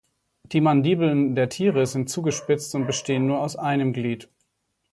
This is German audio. Die Mandibeln der Tiere sind zugespitzt und bestehen nur aus einem Glied.